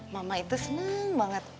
mama itu seneng banget